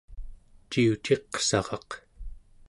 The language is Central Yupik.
ciuciqsaraq